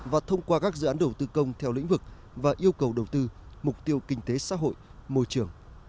và thông qua các dự án đầu tư công theo lĩnh vực và yêu cầu đầu tư mục tiêu kinh tế xã hội môi trường